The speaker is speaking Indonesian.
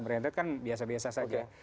merendat kan biasa biasa saja